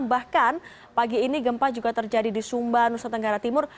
bahkan pagi ini gempa juga terjadi di sumba nusa tenggara timur